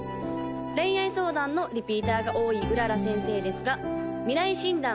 恋愛相談のリピーターが多い麗先生ですが未来診断